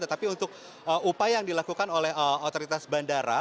tetapi untuk upaya yang dilakukan oleh otoritas bandara